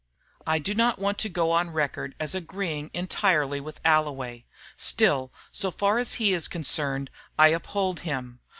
"I do not want to go on record as agreeing entirely with Alloway. Still, so far as he is concerned, I uphold him.